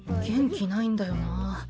元気ないんだよなぁ。